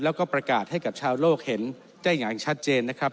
แล้วก็ประกาศให้กับชาวโลกเห็นได้อย่างชัดเจนนะครับ